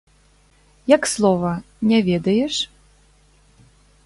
Як слова, не ведаеш?